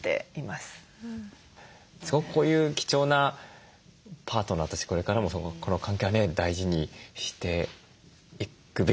すごくこういう貴重なパートナーとしてこれからもこの関係はね大事にしていくべきものだなと感じましたね。